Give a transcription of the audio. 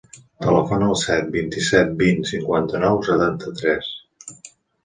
Telefona al set, vint-i-set, vint, cinquanta-nou, setanta-tres.